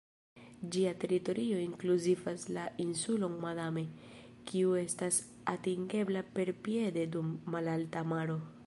Ĝia teritorio inkluzivas la insulon Madame, kiu estas atingebla perpiede dum malalta maro.